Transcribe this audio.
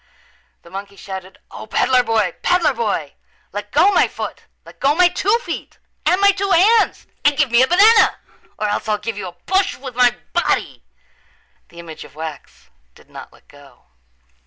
The monkey shouted, "O, peddler boy, peddler boy, let go my foot. Let go my two feet and my two hands and give me a banana or else I'll give you a push with my body." The image of wax did not let go.